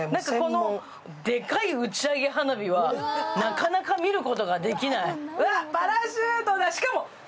でかい打ち上げ花火はなかなか見ることができない。